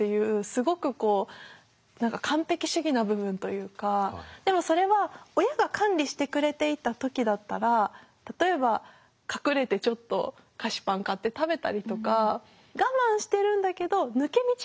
すごくこう何か完璧主義な部分というかでもそれは親が管理してくれていた時だったら例えば隠れてちょっと菓子パン買って食べたりとか我慢してるんだけど抜け道があったんですよね。